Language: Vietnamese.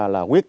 là quyết định